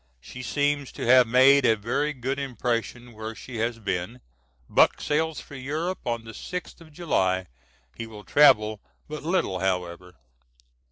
She seems to have made a very good impression where she has been. Buck sails for Europe on the 6th of July. He will travel but little however.